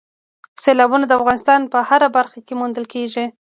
سیلابونه د افغانستان په هره برخه کې موندل کېږي.